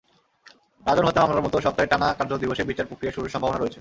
রাজন হত্যা মামলার মতো সপ্তাহের টানা কার্যদিবসে বিচার-প্রক্রিয়া শুরুর সম্ভাবনা রয়েছে।